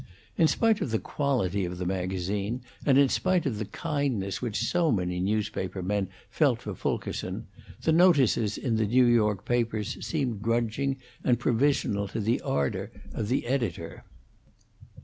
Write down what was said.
In spite of the quality of the magazine, and in spite of the kindness which so many newspaper men felt for Fulkerson, the notices in the New York papers seemed grudging and provisional to the ardor of the editor.